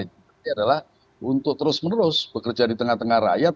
adalah untuk terus menerus bekerja di tengah tengah rakyat